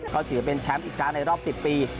เขาถือเป็นแชมป์อีกร้านในรอบ๑๐ปี